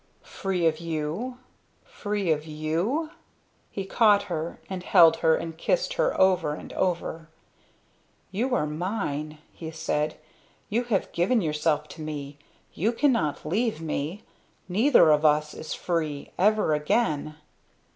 "Free of you? Free of you?" He caught her and held her and kissed her over and over. "You are mine!" he said. "You have given yourself to me! You cannot leave me. Neither of us is free ever again."